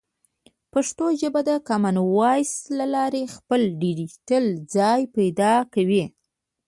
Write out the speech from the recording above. پښتو ژبه د کامن وایس له لارې خپل ډیجیټل ځای پیدا کوي.